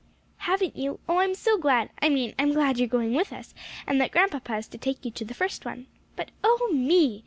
"Haven't you? Oh, I'm so glad I mean, I'm glad you're going with us, and that Grandpapa is to take you to the first one. But, oh me!"